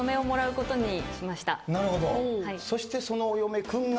そしてそのお嫁くんが。